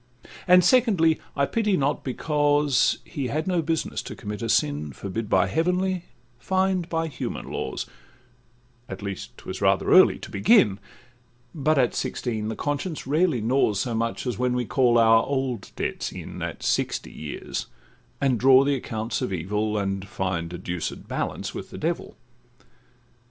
And, secondly, I pity not, because He had no business to commit a sin, Forbid by heavenly, fined by human laws, At least 'twas rather early to begin; But at sixteen the conscience rarely gnaws So much as when we call our old debts in At sixty years, and draw the accompts of evil, And find a deuced balance with the devil.